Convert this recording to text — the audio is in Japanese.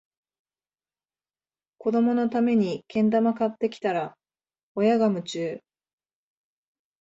子どものためにけん玉買ってきたら、親が夢中